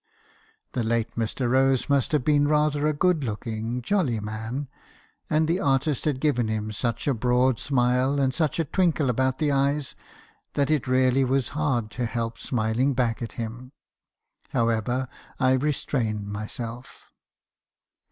"The late Mr. Rose must have been rather a good looking jolly man ; and the artist had given him such a broad smile , and such a twinkle about the eyes, that it really was hard to help smiling back at him. However, I restrained myself.